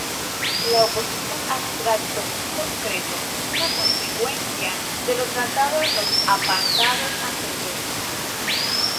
La oposición abstracto-concreto es una consecuencia de lo tratado en los apartados anteriores.